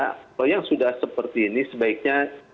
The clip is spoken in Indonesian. kalau yang sudah seperti ini sebaiknya